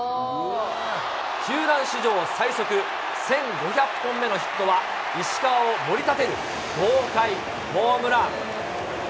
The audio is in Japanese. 球団史上最速１５００目のヒットは、石川を盛り立てる豪快ホームラン。